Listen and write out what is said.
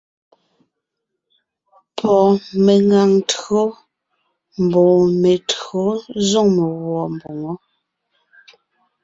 Pɔ́ meŋaŋ tÿǒ mbɔɔ me[o tÿǒ ńzoŋ meguɔ mboŋó.